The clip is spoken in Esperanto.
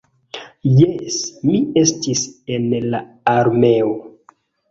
Jes, mi estis en la armeo.